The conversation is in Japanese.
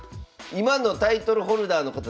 今のタイトルホルダーの方